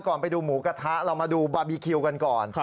ไปดูหมูกระทะเรามาดูบาร์บีคิวกันก่อน